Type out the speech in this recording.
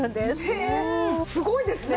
へえすごいですね！